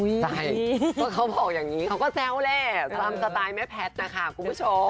เพราะเขาบอกอย่างนี้เขาก็แซวแหละตามสไตล์แม่แพทย์นะคะคุณผู้ชม